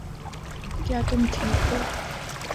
کیا تم ٹھیک ہو